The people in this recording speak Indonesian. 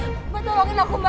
mbak mbak tolongin aku mbak